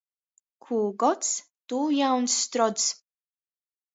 Kū gods, tū jauns strods.